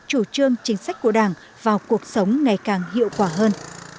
chủ trương chính sách của đảng vào cuộc sống ngày càng hiệu quả hơn